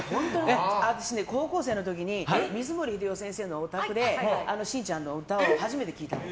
私、高校生の時に水森英夫先生のお宅で新ちゃんの歌を初めて聴いたの。